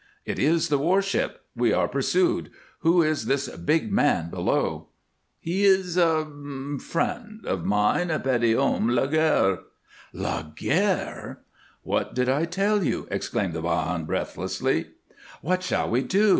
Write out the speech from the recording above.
"It is the war ship. We are pursued. Who is this big man below?" "He is a friend of mine, Petithomme Laguerre " "Laguerre!" "What did I tell you?" exclaimed the 'Bajan, breathlessly. "What shall we do?"